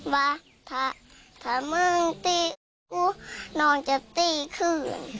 ว่าถ้าถ้ามึงตี้นอนจะตี้ขึ้น